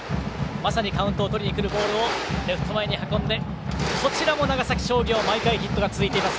まさにカウントをとりにくるボールをレフト前に運んでこちらも長崎商業毎回ヒットが続いています。